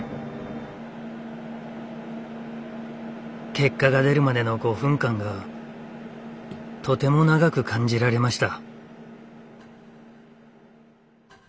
結果が出るまでの５分間がとても長く感じられました。